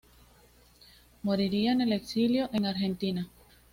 Moriría en el exilio en Argentina.